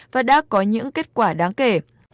và đã có những kết quả đáng kể